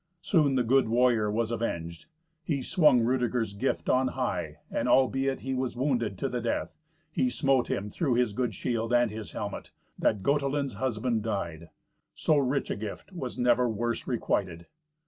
Soon the good warrior was avenged. He swung Rudeger's gift on high, and, albeit he was wounded to the death, he smote him through his good shield and his helmet, that Gotelind's husband died. So rich a gift was never worse requited.